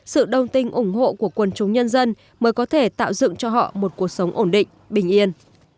sự đồng tình ủng hộ của quần chúng nhân dân mới có thể tạo dựng cho họ một cuộc sống ổn định bình yên